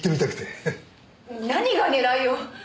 何が狙いよ！